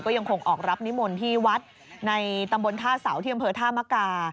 ยังคงออกรับนิมนต์ที่วัดในตำบลท่าเสาที่อำเภอท่ามกา